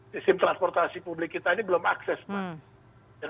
sistem transportasi publik kita ini belum akses pak